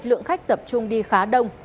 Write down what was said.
lượng khách tập trung đi khá đông